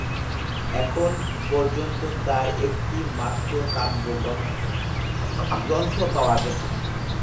এখন পর্যন্ত তার একটি মাত্র কাব্যগ্রন্থ পাওয়া গেছে।